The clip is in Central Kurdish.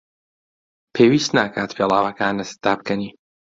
پێویست ناکات پێڵاوەکانت دابکەنی.